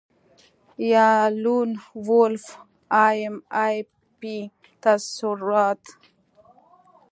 یا لون وولف ایم آی پي تصورات